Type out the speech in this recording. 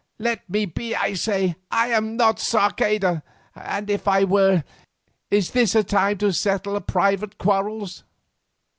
Let me be I say. I am not Sarceda, and if I were, is this a time to settle private quarrels?